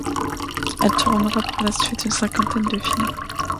Elle tournera par la suite une cinquantaine de films.